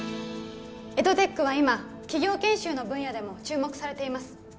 エドテックは今企業研修の分野でも注目されています